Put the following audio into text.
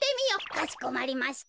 「かしこまりました」。